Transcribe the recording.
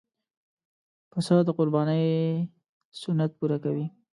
پسه د قربانۍ سنت پوره کوي.